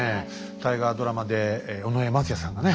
大河ドラマで尾上松也さんがね